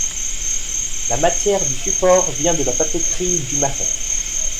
La matière du support vient de la papeterie du Marais.